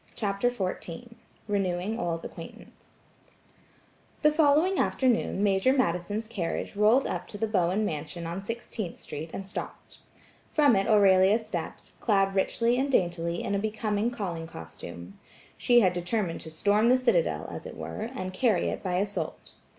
CHAPTER XIV RENEWING OLD ACQUAINTANCE The following afternoon Major Madison's carriage rolled up to the Bowen mansion on Sixteenth Street, and stopped. From it Aurelia stepped, clad richly and daintily in a becoming calling costume. She had determined to storm the citadel, as it were, and carry it by assault.